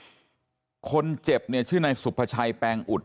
คนเจ็บเนี่ยชื่อนายสุภาชัยแปลงอุด